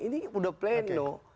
ini udah pleno